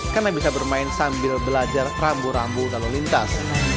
karena bisa bermain sambil belajar rambu rambu lalu lintas